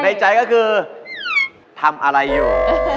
ในใจก็คือทำอะไรอยู่